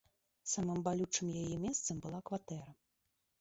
Самым балючым яе месцам была кватэра.